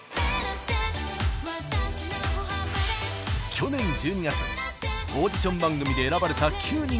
昨年１２月オーディション番組で選ばれた９人がデビュー。